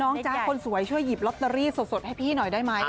จ๊ะคนสวยช่วยหยิบลอตเตอรี่สดให้พี่หน่อยได้ไหม